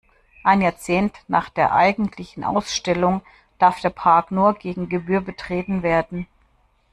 Ein Jahrzehnt nach der eigentlichen Ausstellung darf der Park nur gegen Gebühr betreten werden.